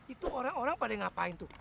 itu orang orang pada ngapain tuh